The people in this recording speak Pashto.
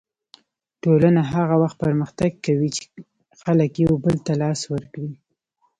ټولنه هغه وخت پرمختګ کوي چې خلک یو بل ته لاس ورکړي.